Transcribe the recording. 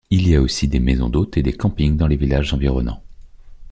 Il y a aussi des maisons d'hôtes et des campings dans les villages environnants.